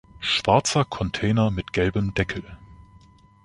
Schwarzer Container mit gelbem Deckel.